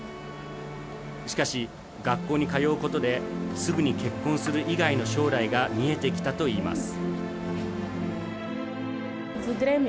しかし学校に通うことですぐに結婚する以外の将来が見えてきたといいます